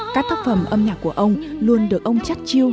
các tác phẩm âm nhạc của ông luôn được ông chất chiêu